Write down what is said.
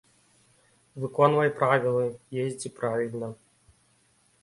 Выконвай правілы, ездзі правільна.